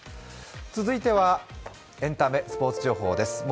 続いてはエンタメ、スポーツ情報です。